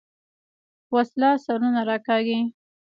وسله سرونه راکاږي